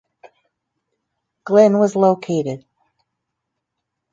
Glynn was located.